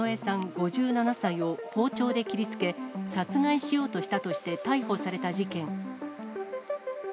５７歳を包丁で切りつけ、殺害しようとしたとして逮捕された事件。